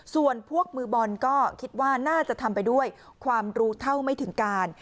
ส่วนพวกมือบอลก็คิดว่าน่าจะทำไปด้วยความรู้เท่าไม่ถึงการ